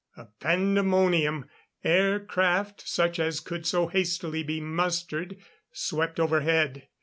A pandemonium. Aircraft, such as could so hastily be mustered, swept overhead.